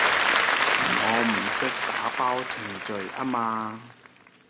我唔識打包程序吖嘛